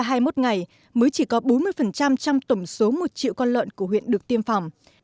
trước ngày mới chỉ có bốn mươi trong tổng số một triệu con lợn của huyện được tiêm phòng